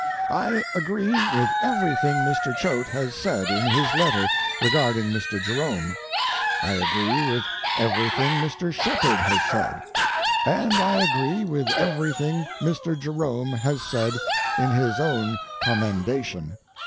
I agree with everything Mr. Choate has said in his letter regarding Mr. Jerome; I agree with everything Mr. Shepard has said; and I agree with everything Mr. Jerome has said in his own commendation.